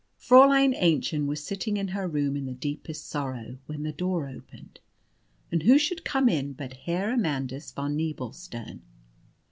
Fräulein Aennchen was sitting in her room in the deepest sorrow, when the door opened, and who should come in but Herr Amandus von Nebelstern.